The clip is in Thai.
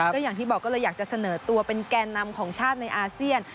ก็อย่างที่บอกก็เลยอยากจะเสนอตัวเป็นแก่นำของชาติในอาเซียน